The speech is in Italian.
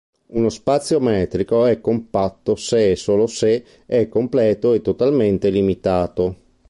Uno spazio metrico è compatto se e solo se è completo e totalmente limitato.